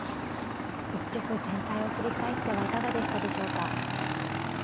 一局全体を振り返ってはいかがでしたでしょうか。